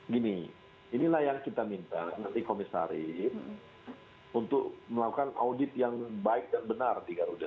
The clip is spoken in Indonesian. gini inilah yang kita minta nanti komisaris untuk melakukan audit yang baik dan benar di garuda